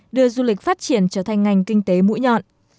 đưa du lịch phát triển trở thành ngành kinh tế mùa